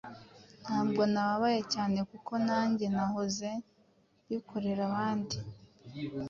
ntabwo nababaye cyane kuko nanjye nahoze mbikorera abandi